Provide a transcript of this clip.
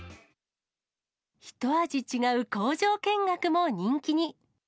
ひと味違う工場見学も人気に。